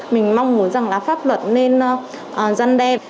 mình mong muốn rằng là pháp luật nên dân đem